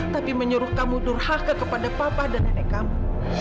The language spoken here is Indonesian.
tapi menyuruh kamu durhaka kepada papa dan nenek kamu